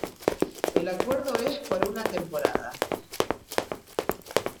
El acuerdo es por una temporada.